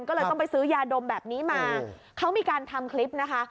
ก็เลยต้องไปซื้อยาดมแบบนี้มาเขามีการทำคลิปนะคะ